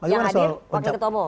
yang hadir wakil ketua umum